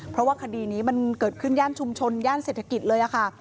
เพราะว่าคดีนี้มันเกิดขึ้นย่านชุมชนย่านเศรษฐกิจเลยค่ะ